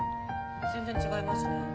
全然違いますね。